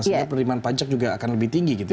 sehingga penerimaan pajak juga akan lebih tinggi gitu ya